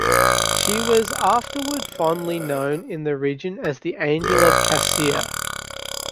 She was afterward fondly known in the region as the "Angel of the Cassiar".